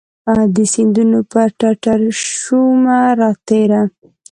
د سیندونو پر ټټرشومه راتیره